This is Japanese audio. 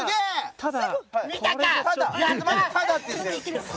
「ただ」？